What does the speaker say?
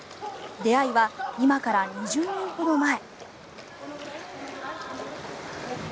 出会いは今から２０年ほど前。